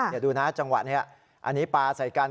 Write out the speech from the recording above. อย่าดูนะจังหวะนี้อันนี้ปาใส่กัน